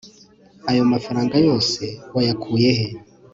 Ayo mafranga yose wayakuye he